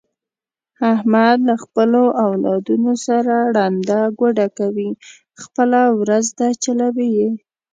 احمد له خپلو اولادونو سره ړنده ګوډه کوي، خپله ورځ ده چلوي یې.